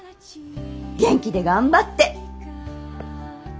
元気で頑張って！